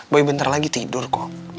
bayi bentar lagi tidur kok